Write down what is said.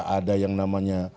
ada yang namanya